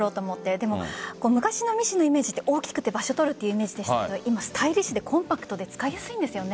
でも、昔のミシンのイメージは大きくて場所取るというイメージでしたが今はスタイリッシュでコンパクトで使いやすいですよね。